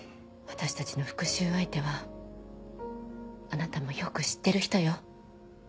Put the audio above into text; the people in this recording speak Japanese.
私たちの復讐相手はあなたもよく知ってる人よ。